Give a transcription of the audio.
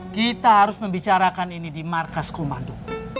kita harus membicarakan ini di markas komando